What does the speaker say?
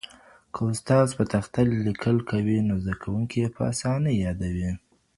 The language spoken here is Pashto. که استاد په تخته لیکل کوي نو زده کوونکي یې په اسانۍ یادوي.